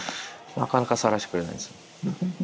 なかなか触らせてくれないんですよ。